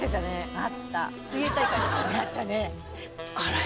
あったね。